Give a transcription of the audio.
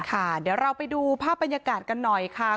ค่ะเดี๋ยวเราไปดูภาพบรรยากาศกันหน่อยค่ะ